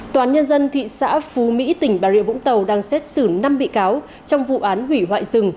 tòa án nhân dân thị xã phú mỹ tỉnh bà rịa vũng tàu đang xét xử năm bị cáo trong vụ án hủy hoại rừng